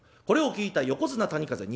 これを聞いた横綱谷風